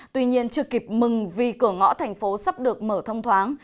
tuy nhiên chưa kịp mừng vì cửa ngõ thành phố sắp được mở thông thoáng